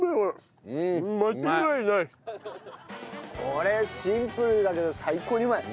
これシンプルだけど最高にうまい！